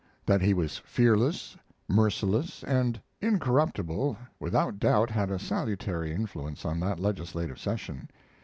That he was fearless, merciless, and incorruptible, without doubt had a salutary influence on that legislative session.